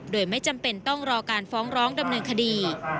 โดยไม่จำเป็นต้องรอการฟ้องร้องดำเนินคดี